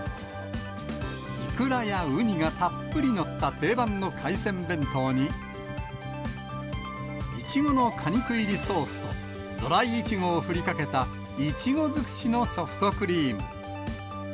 イクラやウニがたっぷり載った定番の海鮮弁当に、イチゴの果肉入りソースとドライイチゴを振りかけた、イチゴ尽くしのソフトクリーム。